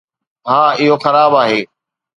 ها، اهو خراب آهي